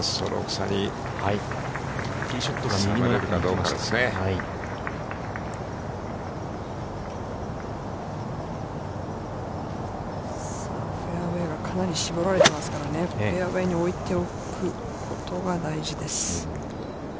さあフェアウェイがかなり絞られていますからね、フェアウェイに置いておくことが大事です。